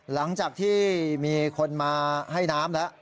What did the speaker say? หลังจากที่มีคนมาให้น้ำแล้ว